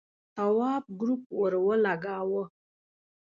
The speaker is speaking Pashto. تواب گروپ ور ولگاوه.